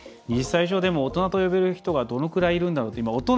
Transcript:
２０歳以上でも大人と呼べる人がどのくらいいるんだろうって。